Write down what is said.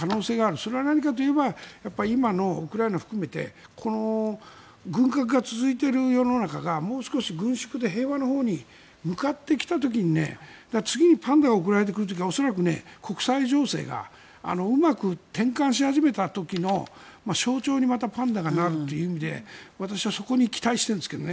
それは何かといえば今のウクライナを含めてこの軍拡が続いている世の中がもう少し軍縮で平和なほうに向かってきた時に次にパンダが送られてくる時恐らく、国際情勢がうまく転換し始めた時の象徴にまたパンダがなるという意味で私はそこに期待しているんですけどね。